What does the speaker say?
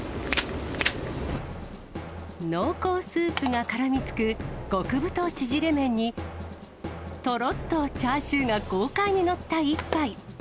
濃厚スープがからみつく、極太ちぢれ麺に、とろっとチャーシューが豪快に載った一杯。